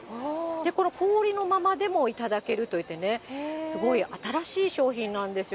この氷のままでも頂けるというね、すごい新しい商品なんですよ。